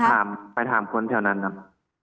ไปถามไปถามคนเที่ยวนั้นนะครับ